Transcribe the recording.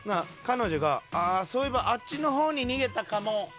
彼女が「そういえばあっちの方に逃げたかも」。